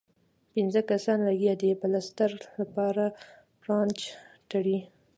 پنځۀ کسان لګيا دي پلستر لپاره پرانچ تړي